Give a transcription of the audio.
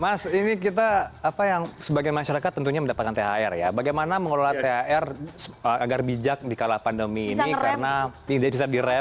mas ini kita apa yang sebagai masyarakat tentunya mendapatkan thr ya bagaimana mengelola thr agar bijak di kala pandemi ini karena tidak bisa direm